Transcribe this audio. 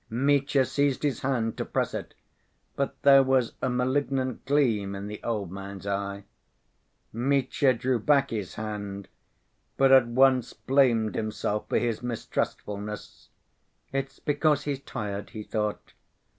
Mitya seized his hand to press it, but there was a malignant gleam in the old man's eye. Mitya drew back his hand, but at once blamed himself for his mistrustfulness. "It's because he's tired," he thought.